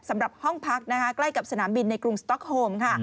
สำหรับห้องพักนะคะใกล้กับสนามบินในกรุงสต๊อกโฮมค่ะ